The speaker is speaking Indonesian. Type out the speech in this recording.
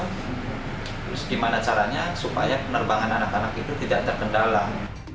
terus gimana caranya supaya penerbangan anak anak itu tidak terkendala